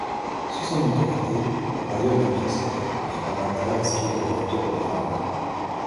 Sous son autorité, le royaume est prospère, mais Bharata aspire au retour de Râma.